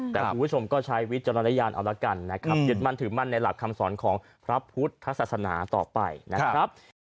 แต่คุณผู้ชมก็ใช้วิจารณญาณเอาละกันนะครับยึดมั่นถือมั่นในหลักคำสอนของพระพุทธศาสนาต่อไปนะครับ